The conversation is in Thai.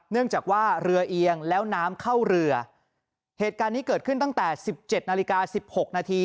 เนื่องจากว่าเรือเอียงแล้วน้ำเข้าเรือเหตุการณ์นี้เกิดขึ้นตั้งแต่สิบเจ็ดนาฬิกาสิบหกนาที